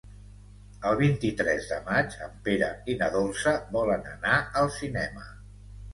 El vint-i-tres de maig en Pere i na Dolça volen anar al cinema.